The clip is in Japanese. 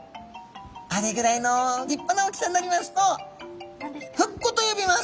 あれぐらいの立派な大きさになりますとフッコと呼びます。